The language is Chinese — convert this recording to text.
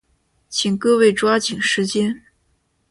请各位抓紧时间。